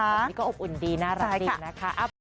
แบบนี้ก็อบอุ่นดีน่ารักดีนะคะ